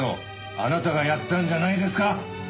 あなたがやったんじゃないですか？